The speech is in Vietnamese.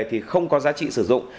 thì không có giá trị sử dụng